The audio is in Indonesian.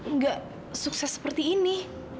nggak sukses seperti ini